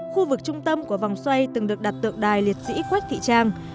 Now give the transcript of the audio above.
khu vực trung tâm của vòng xoay từng được đặt tượng đài liệt sĩ quách thị trang